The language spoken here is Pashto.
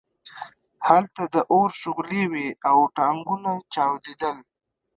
هلته د اور شغلې وې او ټانکونه چاودېدل